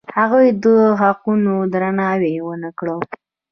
هغوی د حقونو درناوی ونه کړ.